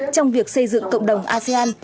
trong việc xây dựng cộng đồng asean